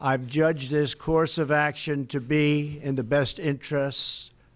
saya mengakui perjalanan ini sebagai kepentingan terbaik